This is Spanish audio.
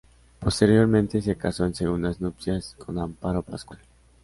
Posteriormente se casó en segundas nupcias con Amparo Pascual.